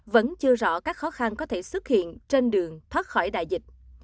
vẫn chưa rõ các khó khăn có thể xuất hiện trên đường thoát khỏi đại dịch